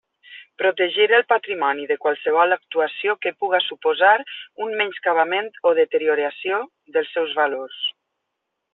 Protegir el patrimoni de qualsevol actuació que puga suposar un menyscabament o deterioració dels seus valors.